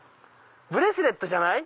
ブレスレットじゃない？